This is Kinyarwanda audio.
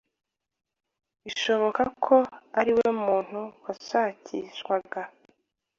bishoboka ko ari we muntu washakishwaga